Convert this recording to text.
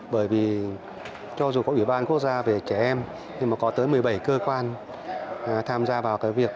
bởi vì cho dù có ủy ban quốc gia về trẻ em nhưng mà có tới một mươi bảy cơ quan tham gia vào cái việc